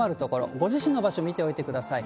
ご自身の場所、見ておいてください。